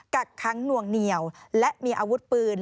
กักค้างหน่วงเหนียวและมีอาวุธปืน